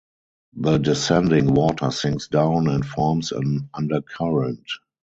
The descending water sinks down and forms an undercurrent.